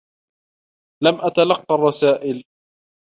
لم أتلقّى الرّسائل.